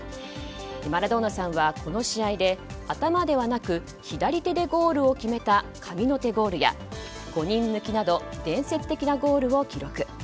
マラドーナさんは、この試合で頭ではなく左手でゴールを決めた神の手ゴールや５人抜きなど伝説的なゴールを記録。